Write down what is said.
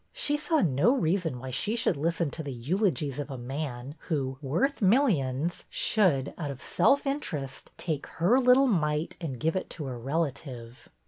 She saw no reason why she should listen to the eulogies of a man who, worth millions, should, out of self interest, take her little mite and give it to a relative.